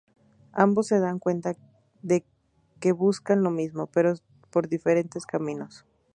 Ambos se dan cuenta de que buscan lo mismo, pero por diferentes caminos.